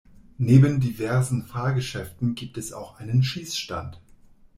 Neben diversen Fahrgeschäften gibt es auch einen Schießstand.